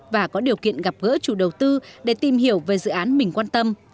và có điều kiện gặp gỡ chủ đầu tư để tìm hiểu về dự án mình quan tâm